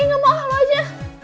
ih gak mau ah lo aja